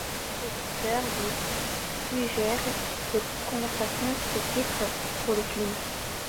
Cette fois-ci, le producteur lui a suggéré de conserver ce titre pour le film.